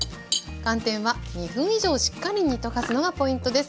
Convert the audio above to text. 寒天は２分以上しっかり煮溶かすのがポイントです。